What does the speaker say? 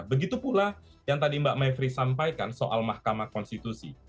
begitu pula yang tadi mbak mevri sampaikan soal mahkamah konstitusi